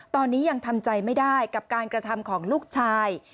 ตอนนี้ยังทำใจไม่ได้กับการกระทำของลูกชาย